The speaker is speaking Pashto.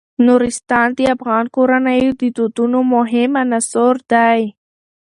نورستان د افغان کورنیو د دودونو مهم عنصر دی.